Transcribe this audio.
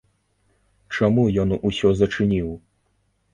Чаму ён усё зачыніў?